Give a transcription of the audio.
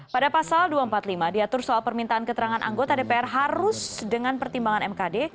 pada pasal dua ratus empat puluh lima diatur soal permintaan keterangan anggota dpr harus dengan pertimbangan mkd